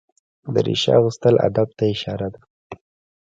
دریشي اغوستل ادب ته اشاره ده.